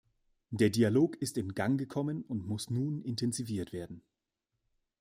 Der Dialog ist in Gang gekommen und muss nun intensiviert werden.